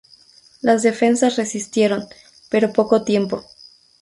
Las defensas resistieron, pero poco tiempo.